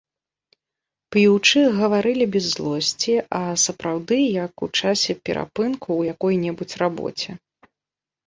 П'ючы, гаварылі без злосці, а сапраўды як у часе перапынку ў якой-небудзь рабоце.